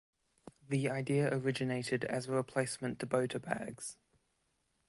The idea originated as a replacement to bota bags.